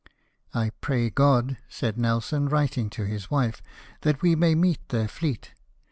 "I pray God," said Nelson, writing to his wife, " that we may meet their fleet.